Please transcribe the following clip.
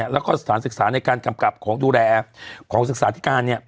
แล้วก็สถานศึกษาในการกำกับของดูแลของศึกษาธิการ